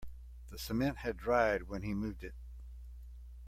The cement had dried when he moved it.